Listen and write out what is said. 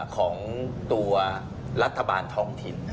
ของตัวรัฐบาลท้องถิ่น